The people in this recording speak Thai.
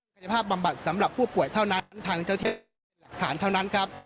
การแข้งภาพบำบัดเพื่อผู้ป่วยเท่านั้นทางเจ้าที่จิตรฐานเท่านั้น